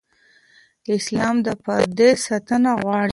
اسلام د پردې ساتنه غواړي.